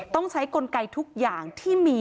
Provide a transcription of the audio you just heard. ต้องใช้กลไกทุกอย่างที่มี